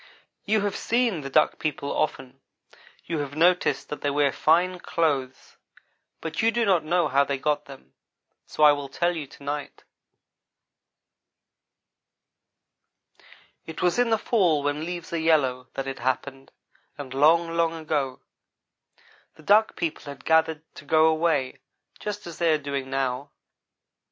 "You have seen the Duck people often. You have noticed that they wear fine clothes but you do not know how they got them; so I will tell you to night. "It was in the fall when leaves are yellow that it happened, and long, long ago. The Duck people had gathered to go away, just as they are doing now.